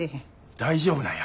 大丈夫なんや。